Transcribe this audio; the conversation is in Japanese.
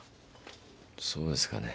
そうですかね。